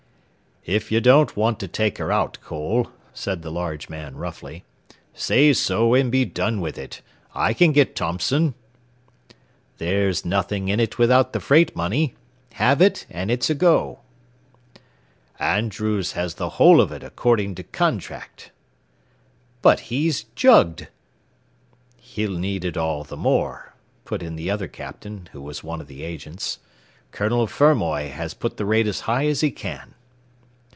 "If you don't want to take her out, Cole," said the large man, roughly, "say so and be done with it. I can get Thompson." "There's nothing in it without the freight money. Halve it and it's a go." "Andrews has the whole of it according to contract." "But he's jugged." "He'll need it all the more," put in the other captain, who was one of the agents. "Colonel Fermoy has put the rate as high as he can."